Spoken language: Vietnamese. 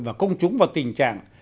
và công chúng vào tình trạng